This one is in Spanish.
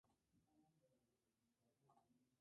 Daños respiratorios permanentes son poco usuales.